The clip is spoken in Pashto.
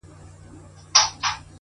چي په هر يوه هنر کي را ايسار دی!!